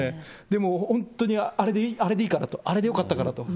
でも、本当に、あれでいいからと、あれでよかったからと。